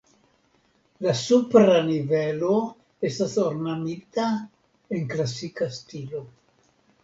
La supra nivelo estas ornamita en klasika stilo.